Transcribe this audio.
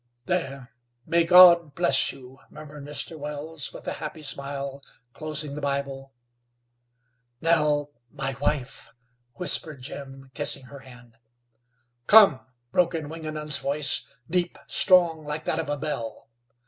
"There! May God bless you!" murmured Mr. Wells, with a happy smile, closing the Bible. "Nell, my wife!" whispered Jim, kissing her hand. "Come!" broke in Wingenund's voice, deep, strong, like that of a bell.